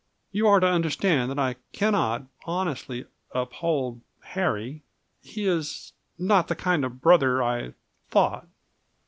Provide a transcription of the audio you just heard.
You are to understand that I cannot honestly uphold Harry. He is not the kind of brother I thought."